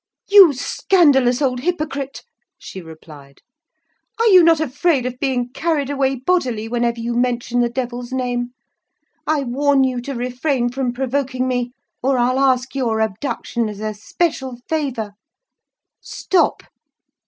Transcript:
"You scandalous old hypocrite!" she replied. "Are you not afraid of being carried away bodily, whenever you mention the devil's name? I warn you to refrain from provoking me, or I'll ask your abduction as a special favour! Stop!